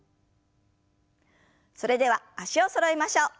それでは脚をそろえましょう。